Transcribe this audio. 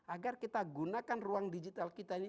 agar kita gunakan ruang digital kita ini